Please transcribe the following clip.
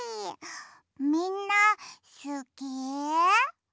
みんなすき？